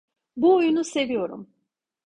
Bu oyunu seviyorum.